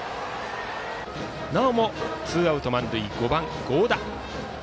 なおもツーアウト満塁５番、合田。